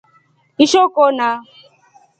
Ishoo kona.